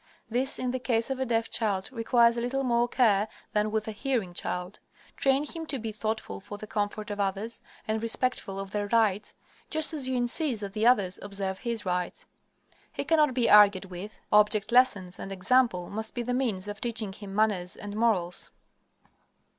This, in the case of a deaf child, requires a little more care than with a hearing child. Train him to be thoughtful for the comfort of others, and respectful of their rights, just as you insist that the others observe his rights. He cannot be argued with, object lessons and example must be the means of teaching him manners and morals.